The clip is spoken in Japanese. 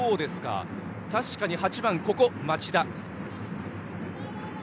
確かに８番の町田。